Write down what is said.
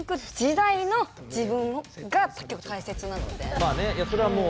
まあねいやそれはもう。